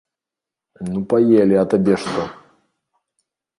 Ну паелі, а табе што?